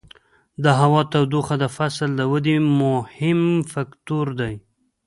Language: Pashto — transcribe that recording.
د هوا تودوخه د فصل د ودې مهم فکتور دی.